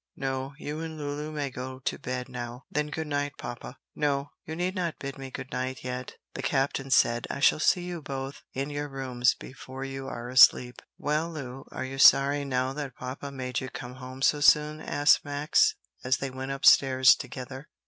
"No; you and Lulu may go to bed now." "Then good night, papa." "No, you need not bid me good night yet," the captain said. "I shall see you both in your rooms before you are asleep." "Well, Lu, are you sorry now that papa made you come home so soon?" asked Max, as they went up stairs together.